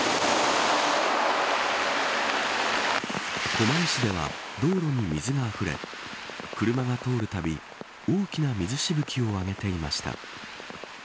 狛江市では道路に水があふれ車が通るたび大きな水しぶきをあげていました。